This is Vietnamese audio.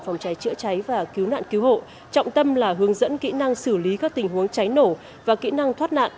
phòng cháy chữa cháy và cứu nạn cứu hộ trọng tâm là hướng dẫn kỹ năng xử lý các tình huống cháy nổ và kỹ năng thoát nạn